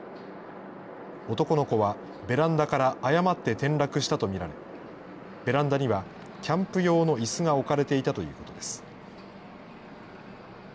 男の子はベランダから誤って転落したと見られ、ベランダにはキャンプ用のいすが置かれていたということです。